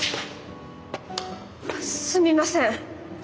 すみません。